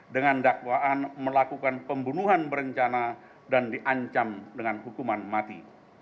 dengan dakwaan melakukan pembunuhan berencana dan diancam dengan hukuman mati